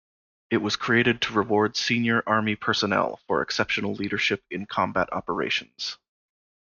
It was created to reward senior army personnel for exceptional leadership in combat operations.